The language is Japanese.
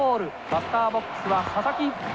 バッターボックスは佐々木。